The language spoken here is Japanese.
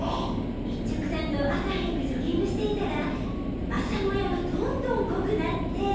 一直さんと朝早くジョギングしていたら朝もやがどんどんこくなって。